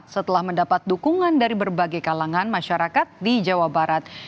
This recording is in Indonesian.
setelah mendapat dukungan dari berbagai kalangan masyarakat di jawa barat